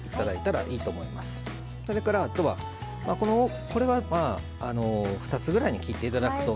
それからあとはこれは２つぐらいに切って頂くと。